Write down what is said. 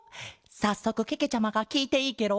さっそくけけちゃまがきいていいケロ？